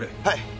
はい！